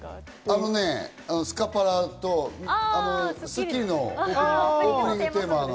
あのね、スカパラと『スッキリ』のオープニングテーマの。